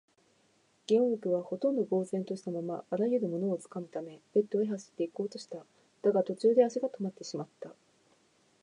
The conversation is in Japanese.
ゲオルクは、ほとんど呆然ぼうぜんとしたまま、あらゆるものをつかむためベッドへ走っていこうとした。だが、途中で足がとまってしまった。